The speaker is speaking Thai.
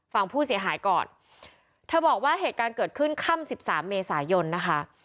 ฟังผู้เสียหายก่อนเธอบอกว่าเหตุการณ์เกิดขึ้นค่ำสิบสามเมษายนนะคะ